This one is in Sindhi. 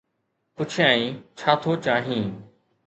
پڇيائين: ڇا ٿو چاهين؟